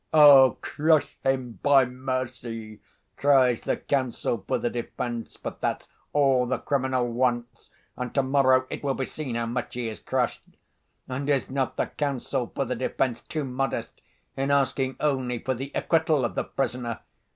'Oh, crush him by mercy,' cries the counsel for the defense; but that's all the criminal wants, and to‐morrow it will be seen how much he is crushed. And is not the counsel for the defense too modest in asking only for the acquittal of the prisoner?